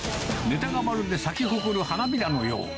ネタが、まるで咲き誇る花びらのよう。